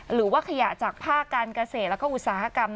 หรือว่าขยะจากภาคการเกษตรแล้วก็อุตสาหกรรม